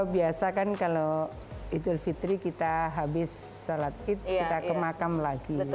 biasa kan kalau itul fitri kita habis salat kita ke makam lagi